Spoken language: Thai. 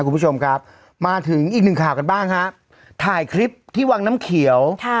คุณผู้ชมครับมาถึงอีกหนึ่งข่าวกันบ้างฮะถ่ายคลิปที่วังน้ำเขียวค่ะ